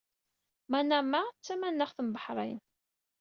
Manama d tamanaɣt n Baḥṛeyn.